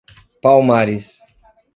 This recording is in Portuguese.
Palmares